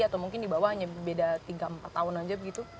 atau mungkin di bawah hanya beda tiga empat tahun saja begitu